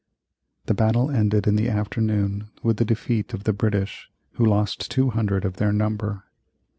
] The battle ended in the afternoon with the defeat of the British, who lost 200 of their number.